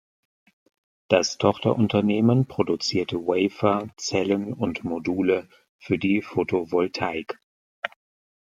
Das Tochterunternehmen produzierte Wafer, Zellen und Module für die Photovoltaik.